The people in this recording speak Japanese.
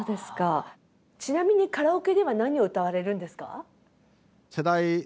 ちなみにカラオケでは何を歌われるんですか？